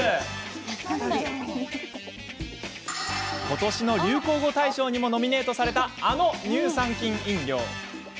今年の流行語大賞にもノミネートされたあの乳酸菌飲料。